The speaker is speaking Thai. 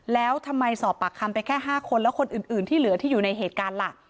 แล้วทำไมสอบปากคำไปแค่๕คนแล้วคนอื่นที่เหลือที่อยู่ในเหตุการณ์ล่ะ